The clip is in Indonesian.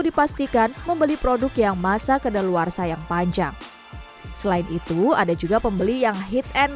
dipastikan membeli produk yang masa kedaluarsa yang panjang selain itu ada juga pembeli yang hit and